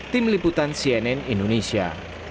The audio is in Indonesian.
tim liputan cnn indonesia